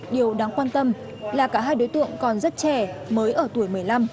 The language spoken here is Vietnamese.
điều đáng quan tâm là cả hai đối tượng còn rất trẻ mới ở tuổi một mươi năm